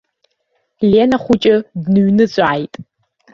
Лена хәыҷы дныҩныҵәааит.